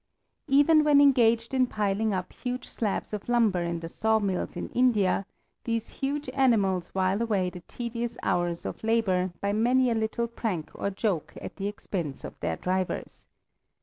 Even when engaged in piling up huge slabs of lumber in the sawmills in India, these huge animals while away the tedious hours of labor by many a little prank or joke at the expense of their drivers.